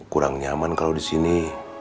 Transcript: kurang nyaman kalau di sini